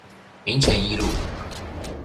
民權一路